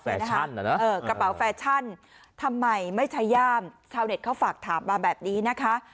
แฟชั่นเหรอนะเออกระเป๋าแฟชั่นทำไมไม่ใช่ย่ามชาวเน็ตเขาฝากถามมาแบบนี้นะคะ